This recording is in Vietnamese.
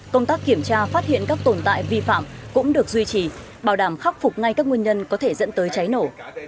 công tác kiểm tra phát hiện các tồn tại vi phạm cũng được duy trì bảo đảm khắc phục ngay các nguyên nhân có thể dẫn tới cháy nổ